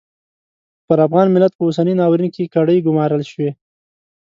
پر افغان ملت په اوسني ناورین کې کړۍ ګومارل شوې.